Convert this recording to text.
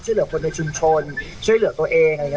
ช่วยเหลือคนในชุมชนช่วยเหลือตัวเอง